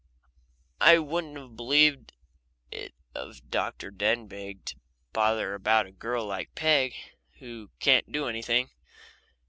I wouldn't have believed it of Dr. Denbigh, to bother about a girl like Peg, who can't do anything.